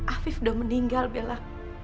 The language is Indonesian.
afif udah meninggal bella